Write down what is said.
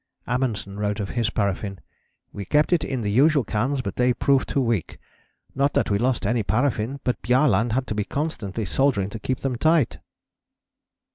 " Amundsen wrote of his paraffin: "We kept it in the usual cans but they proved too weak; not that we lost any paraffin, but Bjaaland had to be constantly soldering to keep them tight."